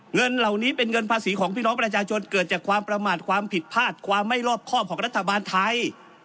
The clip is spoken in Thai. เงินเหล่านี้เป็นเงินภาษีของพี่น้องประชาชนเกิดจากความประมาทความผิดพลาดความไม่รอบครอบของรัฐบาลไทย